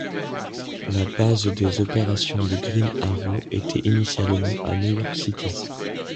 La base des opérations de Green Arrow était initialement à New York City.